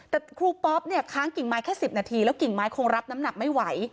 แต่ครูปอ๊อปเนี่ยค้างกิ่งไม้แค่๑๐นาทีแล้วกิ่งไม้คงรับน้ำหนักไม่ไหว